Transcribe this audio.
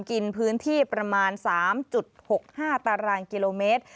กินพื้นที่ประมาณ๓๖๕ตารางกิโลเมตร